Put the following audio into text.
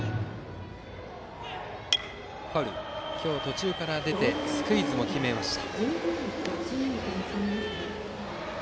今日途中から出てスクイズも決めました。